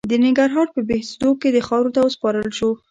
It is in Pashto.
د ننګرهار په بهسودو کې خاورو ته وسپارل شو.